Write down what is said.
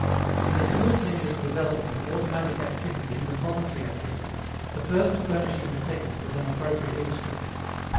In a simultaneous development of automatic activity and of voluntary activity, the first furnishing the second with an appropriate instrument.